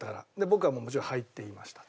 僕はもうもちろん「はい」って言いました。